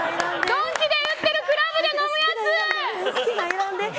ドンキで売ってるクラブで飲むやつ！